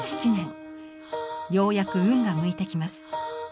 ようやく運が向いてきます。